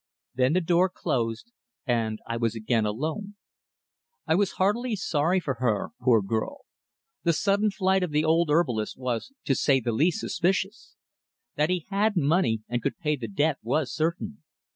Then the door closed and I was again alone. I was heartily sorry for her, poor girl. The sudden flight of the old herbalist was, to say the least suspicious. That he had money and could pay the debt was certain.